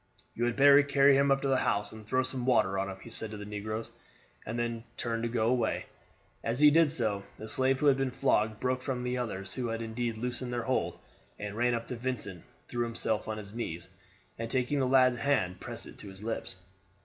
"You had better carry him up to the house and throw some water on him," he said to the negroes, and then turned to go away. As he did so, the slave who had been flogged broke from the others, who had indeed loosened their hold, and ran up to Vincent, threw himself on his knees, and taking the lad's hand pressed it to his lips.